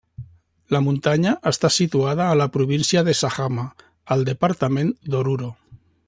La muntanya està situada a la província de Sajama, al departament d'Oruro.